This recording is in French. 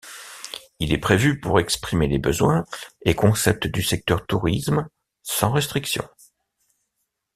Il est prévu pour exprimer les besoins et concepts du secteur tourisme, sans restrictions.